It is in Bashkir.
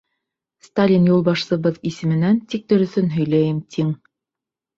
— Сталин юлбашсыбыҙ исеменән тик дөрөҫөн һөйләйем, тиң.